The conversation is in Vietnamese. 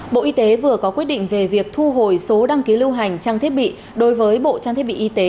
bộ y tế vừa có quyết định về việc thu hồi số đăng ký lưu hành trang thiết bị đối với bộ trang thiết bị y tế